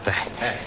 ええ。